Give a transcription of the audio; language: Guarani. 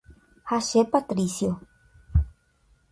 Ha che Patricio.